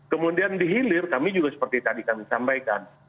kemudian dihilir kami juga seperti tadi kami sampaikan